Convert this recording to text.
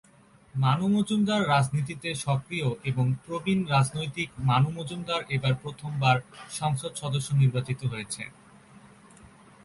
মানু মজুমদার রাজনীতিতে সক্রিয় এবং প্রবীণ রাজনৈতিক মানু মজুমদার এবার প্রথম বার সংসদ সদস্য নির্বাচিত হয়েছেন।